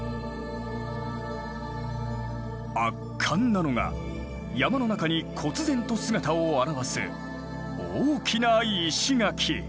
圧巻なのが山の中に忽然と姿を現す大きな石垣。